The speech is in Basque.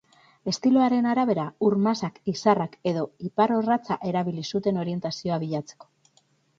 Estiloaren arabera, ur-masak, izarrak edo iparrorratza erabili zuten orientazioa bilatzeko.